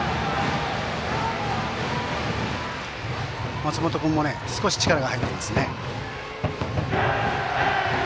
松元君も少し力が入っていますね。